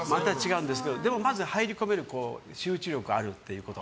でもまず入り込める集中力があるってこと。